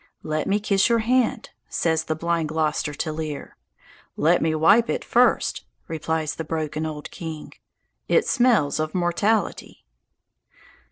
"Let me kiss your hand," says the blind Gloster to Lear. "Let me wipe it first," replies the broken old king; "it smells of mortality."